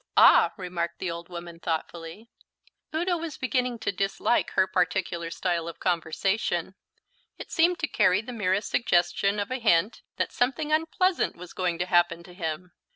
"Ah," remarked the old woman thoughtfully. Udo was beginning to dislike her particular style of conversation. It seemed to carry the merest suggestion of a hint that something unpleasant was going to happen to him.